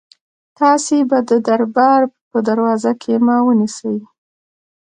تاسي به د دربار په دروازه کې ما ونیسئ.